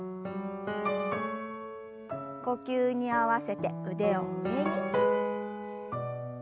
呼吸に合わせて腕を上に。